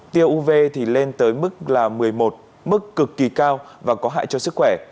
tiêu uv thì lên tới mức là một mươi một mức cực kỳ cao và có hại cho sức khỏe